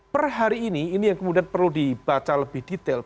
perhari ini ini yang kemudian perlu dibaca lebih detail